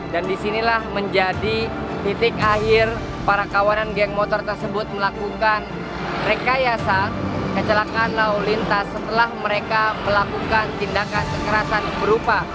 dan disinilah menjadi titik akhir para kawanan geng motor tersebut melakukan rekayasa kecelakaan lau lintas setelah mereka melakukan tindakan sekerasan berupa